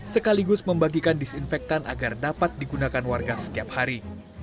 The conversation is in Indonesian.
sekaligus membagikan disinfektan agar dapat digunakan warga setiap hari